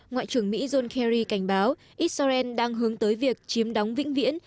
ngoại trưởng mỹ john kerry cảnh báo israel đang hướng tới việc chiếm đóng vĩnh viễn